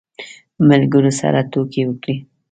ملګرو سره ټوکې وکړې.